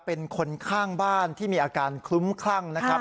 เป็นคนข้างบ้านที่มีอาการคลุ้มคลั่งนะครับ